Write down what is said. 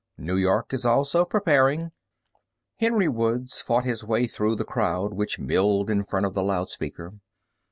New York is also preparing...." Henry Woods fought his way through the crowd which milled in front of the loudspeaker.